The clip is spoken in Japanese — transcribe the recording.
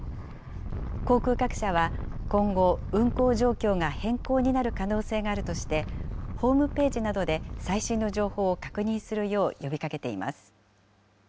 航空各社は今後、運航状況が変更になる可能性があるとして、ホームページなどで最新の情報を確認するよう呼びかけています。